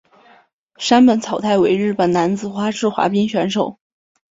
山本草太为日本男子花式滑冰选手。